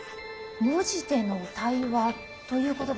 文字での対話ということですか？